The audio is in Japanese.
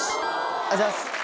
ありがとうございます。